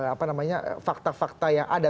apa namanya fakta fakta yang ada